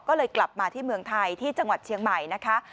ก็เลยกลับมาที่เมืองไทยที่จังหวัดเชียงใหม่นะคะ